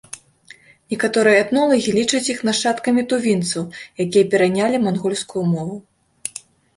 Некаторыя этнолагі лічаць іх нашчадкамі тувінцаў, якія перанялі мангольскую мову.